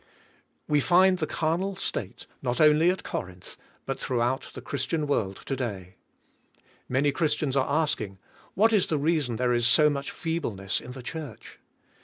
We find the carnal state not only at Corinth, but throughout the Christian world to day. Many Christians are asking, "What is the reason there is so much feebleness in the Church?"